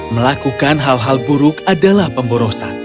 melakukan hal hal buruk adalah pemborosan